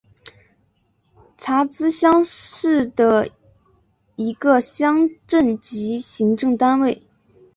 查孜乡是的一个乡镇级行政单位。